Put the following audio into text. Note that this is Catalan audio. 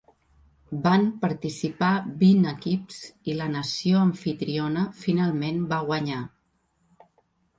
Van participar vint equips i la nació amfitriona finalment va guanyar.